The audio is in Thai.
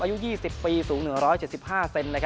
อายุ๒๐ปีสูง๑๗๕เซน